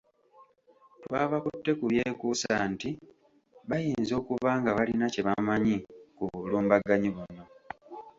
Twabakutte ku byekuusa nti bayinza okuba nga balina kye bamanyi ku bulumbaganyi buno.